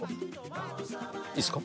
いいですか？